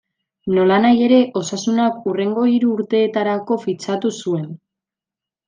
Nolanahi ere, Osasunak hurrengo hiru urteetarako fitxatu zuen.